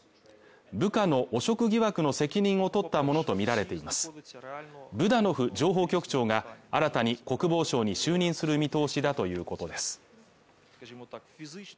部下の汚職疑惑の責任を取ったものと見られていますブダノフ情報局長が新たに国防相に就任する見通しだということです